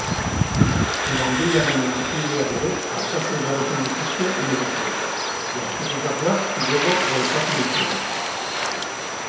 Langilearen lankideak ere artatu behar izan dituzte medikuek, gertatutakoak gogor kolpatu dituelako.